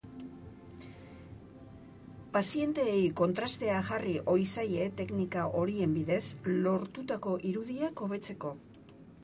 Pazienteei kontrastea jarri ohi zaie teknika horien bidez lortutako irudiak hobetzeko.